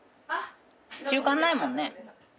中間ないもんね。